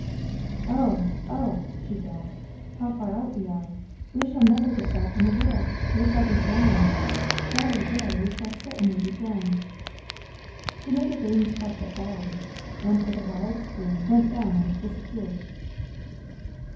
"Oh, oh!" she gasped. "How far out we are! We shall never get back in the world! We shall be drowned! Dolly Ware, we shall certainly be drowned!" She made a vain clutch at Dolly, and, with a wild scream, went down, and disappeared.